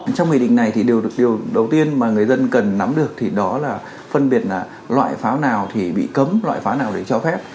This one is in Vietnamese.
trong nghị định này thì điều được điều đầu tiên mà người dân cần nắm được thì đó là phân biệt là loại pháo nào thì bị cấm loại pháo nào để cho phép